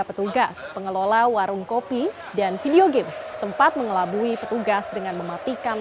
petugas pengelola warung kopi dan video game sempat mengelabui petugas dengan mematikan